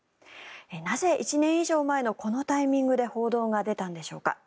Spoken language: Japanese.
なぜ１年以上前のこのタイミングで報道が出たんでしょうか。